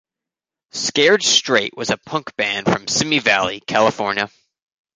Scared Straight was a punk band from Simi Valley, California.